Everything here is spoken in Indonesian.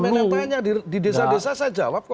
bukan kalau sampean yang tanya di desa desa saya jawab kok